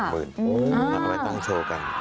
มากต้องโชว์กัน